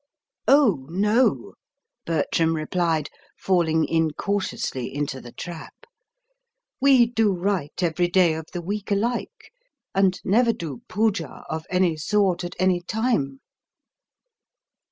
"Oh, no," Bertram replied, falling incautiously into the trap. "We do right every day of the week alike, and never do poojah of any sort at any time."